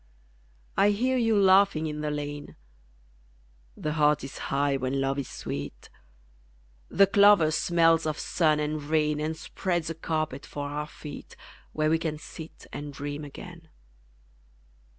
I hear you laughing in the lane The heart is high when LOVE is sweet The clover smells of sun and rain And spreads a carpet for our feet, Where we can sit and dream again.